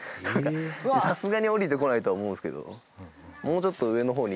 さすがに下りてこないとは思うんですけど。